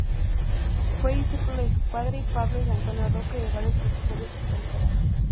Fue discípulo de su padre, Pablo, de Antonio Roca y de varios profesores extranjeros.